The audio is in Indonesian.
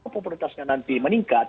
populitasnya nanti meningkat